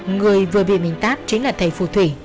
người vừa bị mình tát chính là thầy phù thủy